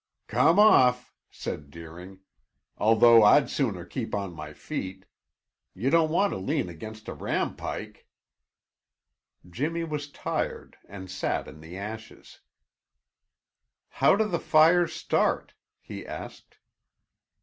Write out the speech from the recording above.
"Come off!" said Deering. "Sit down, if you like, although I'd sooner keep on my feet. You don't want to lean against a rampike." Jimmy was tired and sat in the ashes. "How do the fires start?" he asked.